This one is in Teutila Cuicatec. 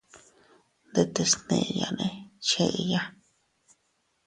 Ndetes neʼeyane cheya.